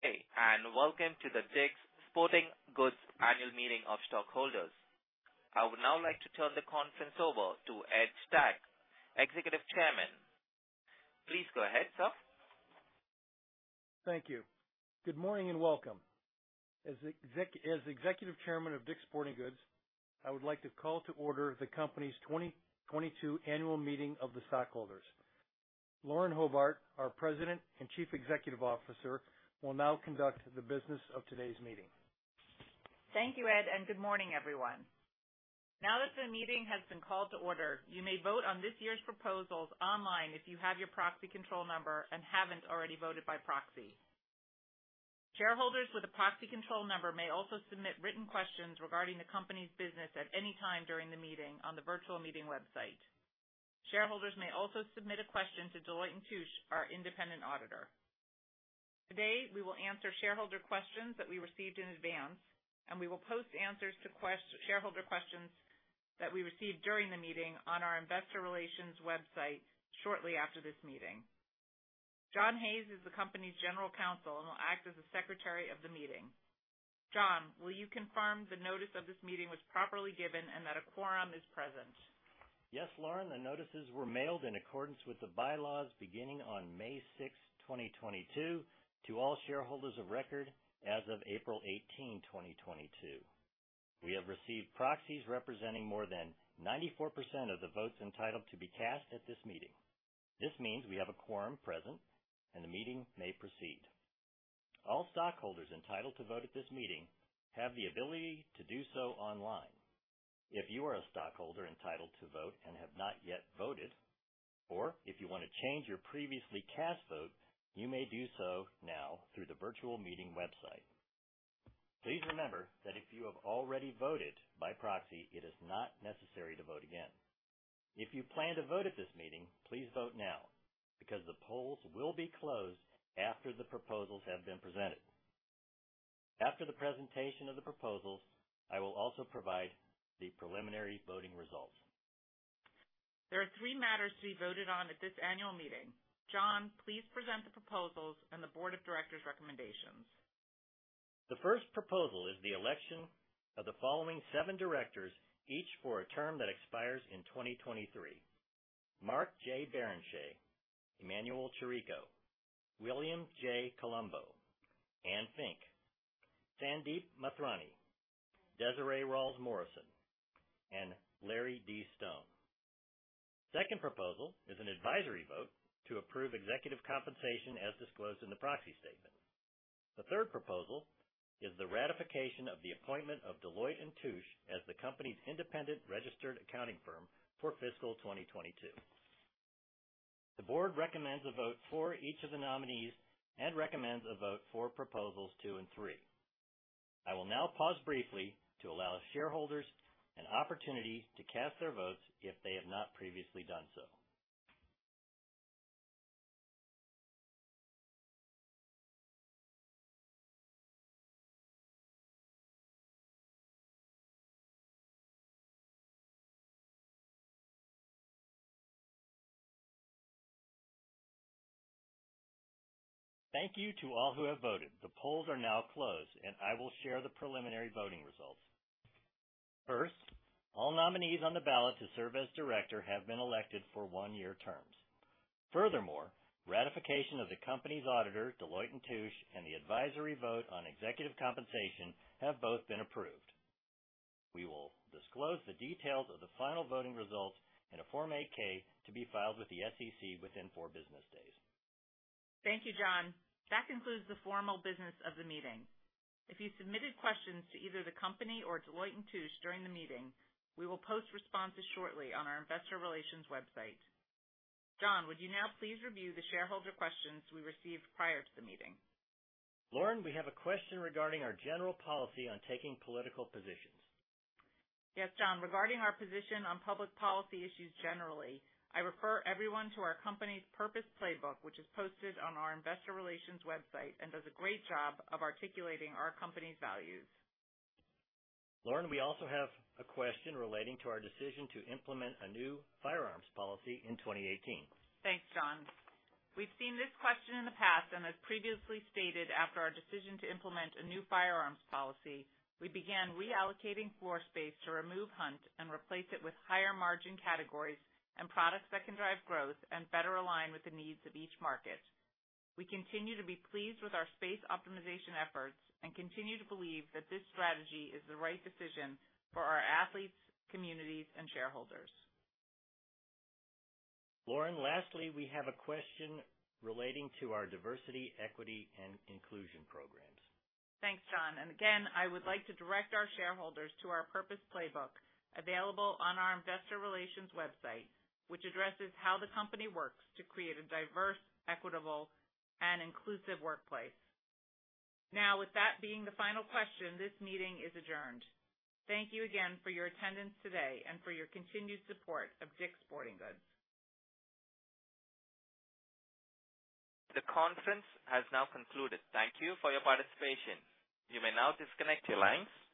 Welcome to the DICK'S Sporting Goods Annual Meeting of Stockholders. I would now like to turn the conference over to Ed Stack, Executive Chairman. Please go ahead, sir. Thank you. Good morning, and welcome. As Executive Chairman of DICK'S Sporting Goods, I would like to call to order the company's 2022 annual meeting of the stockholders. Lauren Hobart, our President and Chief Executive Officer, will now conduct the business of today's meeting. Thank you, Ed, and good morning, everyone. Now that the meeting has been called to order, you may vote on this year's proposals online if you have your proxy control number and haven't already voted by proxy. Shareholders with a proxy control number may also submit written questions regarding the company's business at any time during the meeting on the virtual meeting website. Shareholders may also submit a question to Deloitte & Touche, our independent auditor. Today, we will answer shareholder questions that we received in advance, and we will post answers to shareholder questions that we receive during the meeting on our investor relations website shortly after this meeting. John Hayes is the company's general counsel and will act as the Secretary of the meeting. John, will you confirm the notice of this meeting was properly given and that a quorum is present? Yes, Lauren. The notices were mailed in accordance with the bylaws beginning on May sixth, twenty twenty-two to all shareholders of record as of April eighteenth, twenty twenty-two. We have received proxies representing more than 94% of the votes entitled to be cast at this meeting. This means we have a quorum present, and the meeting may proceed. All stockholders entitled to vote at this meeting have the ability to do so online. If you are a stockholder entitled to vote and have not yet voted, or if you wanna change your previously cast vote, you may do so now through the virtual meeting website. Please remember that if you have already voted by proxy, it is not necessary to vote again. If you plan to vote at this meeting, please vote now because the polls will be closed after the proposals have been presented. After the presentation of the proposals, I will also provide the preliminary voting results. There are three matters to be voted on at this annual meeting. John, please present the proposals and the board of directors' recommendations. The first proposal is the election of the following seven directors, each for a term that expires in 2023. Mark J. Barrenechea, Emanuel Chirico, William J. Colombo, Anne Fink, Sandeep Mathrani, Desiree Ralls-Morrison, and Larry D. Stone. Second proposal is an advisory vote to approve executive compensation as disclosed in the proxy statement. The third proposal is the ratification of the appointment of Deloitte & Touche as the company's independent registered accounting firm for fiscal 2022. The board recommends a vote for each of the nominees and recommends a vote for proposals two and three. I will now pause briefly to allow shareholders an opportunity to cast their votes if they have not previously done so. Thank you to all who have voted. The polls are now closed, and I will share the preliminary voting results. First, all nominees on the ballot to serve as director have been elected for 1-year terms. Furthermore, ratification of the company's auditor, Deloitte & Touche, and the advisory vote on executive compensation have both been approved. We will disclose the details of the final voting results in a Form 8-K to be filed with the SEC within four business days. Thank you, John. That concludes the formal business of the meeting. If you submitted questions to either the company or Deloitte & Touche during the meeting, we will post responses shortly on our investor relations website. John, would you now please review the shareholder questions we received prior to the meeting? Lauren, we have a question regarding our general policy on taking political positions. Yes, John. Regarding our position on public policy issues generally, I refer everyone to our company's Purpose Playbook, which is posted on our investor relations website and does a great job of articulating our company's values. Lauren, we also have a question relating to our decision to implement a new firearms policy in 2018. Thanks, John. We've seen this question in the past, and as previously stated, after our decision to implement a new firearms policy, we began reallocating floor space to remove hunting and replace it with higher margin categories and products that can drive growth and better align with the needs of each market. We continue to be pleased with our space optimization efforts and continue to believe that this strategy is the right decision for our athletes, communities, and shareholders. Lauren, lastly, we have a question relating to our diversity, equity, and inclusion programs. Thanks, John. Again, I would like to direct our shareholders to our Purpose Playbook available on our investor relations website, which addresses how the company works to create a diverse, equitable, and inclusive workplace. Now, with that being the final question, this meeting is adjourned. Thank you again for your attendance today and for your continued support of DICK'S Sporting Goods. The conference has now concluded. Thank you for your participation. You may now disconnect your lines.